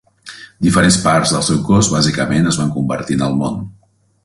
Diferents parts del seu cos, bàsicament es van convertir en el món.